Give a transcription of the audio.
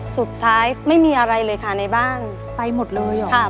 สุดท้ายไม่มีอะไรเลยค่ะในบ้านไปหมดเลย